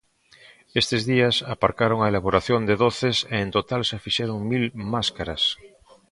Estes días aparcaron a elaboración de doces e en total xa fixeron mil máscaras.